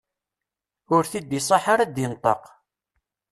Ur t-id-iṣaḥ ara ad d-inṭeq.